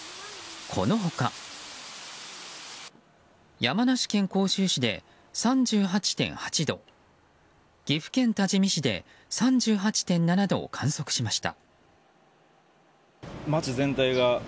この他山梨県甲州市で３８．８度岐阜県多治見市で３８．７度を観測しました。